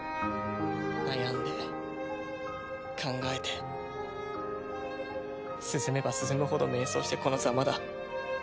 悩んで考えて進めば進むほど迷走してこのざまだ。